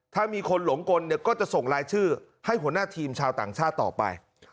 ถ้ามีคนหลงกลเนี่ยก็จะส่งรายชื่อให้หัวหน้าทีมชาวต่างชาติต่อไป